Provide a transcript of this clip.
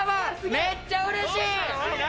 めっちゃうれしい。